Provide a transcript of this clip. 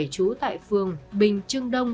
chú tại phường bình trưng đông